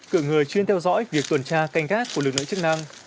cử người chuyên theo dõi việc tuần tra canh gác của lực lượng chức năng